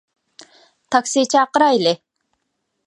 تاكسى چاقىرايلى.